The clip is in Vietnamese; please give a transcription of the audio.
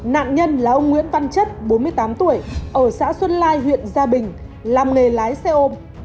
nạn nhân là ông nguyễn văn chất bốn mươi tám tuổi ở xã xuân lai huyện gia bình làm nghề lái xe ôm